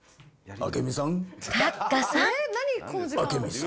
明美さん。